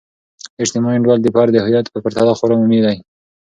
اجتماعي انډول د فرد د هویت په پرتله خورا عمومی دی.